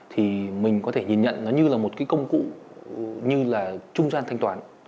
thì mình có thể nhìn nhận nó như là một cái công cụ như là trung gian thanh toán